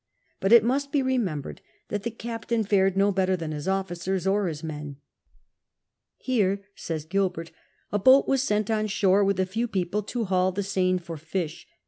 But it must be remem bered that the captain fared no bettor than his officers or his men. " Hero," says Gilbert, " a boat was sent on shore with a few people to haul the seine for fish.